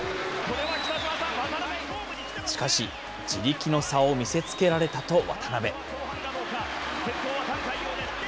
しかし、地力の差を見せつけられたと渡辺。